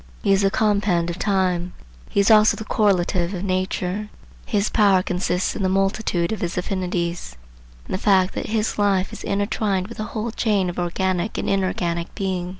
He is the compend of time; he is also the correlative of nature. His power consists in the multitude of his affinities, in the fact that his life is intertwined with the whole chain of organic and inorganic being.